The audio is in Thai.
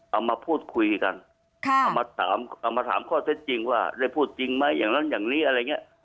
เอามาพูดคุยกันเอามาถามเอามาถามข้อเท็จจริงว่าได้พูดจริงไหมอย่างนั้นอย่างนี้อะไรอย่างนี้